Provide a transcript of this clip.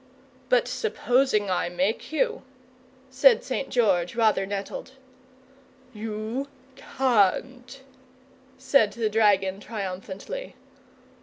"But supposing I make you?" said St. George, rather nettled. "You can't," said the dragon, triumphantly.